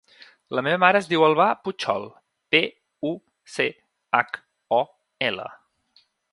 La meva mare es diu Albà Puchol: pe, u, ce, hac, o, ela.